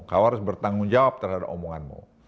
kau harus bertanggung jawab terhadap omonganmu